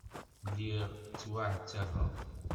Lliɣ ttwaɛettabeɣ.